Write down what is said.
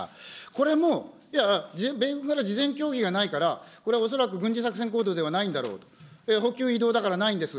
これも、いやいや、米軍から事前協議がないから、これ、恐らく軍事作戦行動ではないんだろうと、補給、移動だからないんです。